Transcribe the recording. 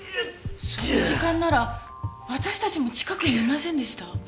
その時間なら私たちも近くにいませんでした？